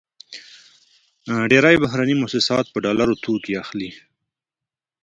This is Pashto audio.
ډېری بهرني موسسات په ډالرو توکې اخلي.